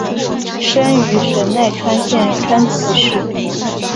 生于神奈川县川崎市。